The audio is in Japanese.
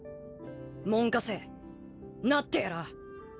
門下生なってやらぁ。